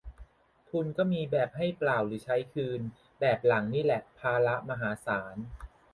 ทุนก็มีแบบให้เปล่าหรือใช้คืน แบบหลังนี่แหละภาระมหาศาล